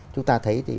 chúng ta thấy thì